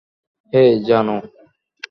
হেই, জানু।